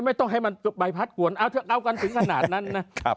ไม่ต้องให้มันใบพัดกวนเอากันถึงขนาดนั้นนะครับ